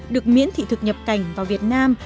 được miễn thị thực nhập cảnh vào việt nam